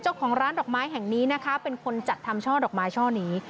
เจ้าของร้านดอกไม้แห่งนี้นะคะเป็นคนจัดทำช่อดอกไม้ช่อนี้